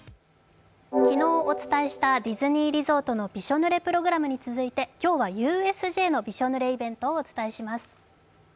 昨日お伝えしたディズニーリゾートのびしょぬれプログラムに続いて今日はＵＳＪのびしょぬれイベントをご紹介します。